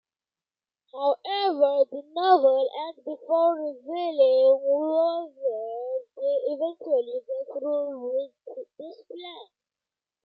However, the novel ends before revealing whether they eventually go through with this plan.